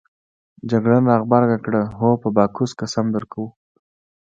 جګړن راغبرګه کړه: هو په باکوس قسم درکوو.